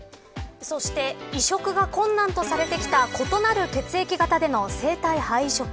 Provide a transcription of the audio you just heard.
そして移植が困難とされてきた異なる血液型の生体肺移植。